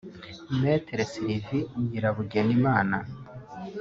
Mme Sylvie Nyirabugenimana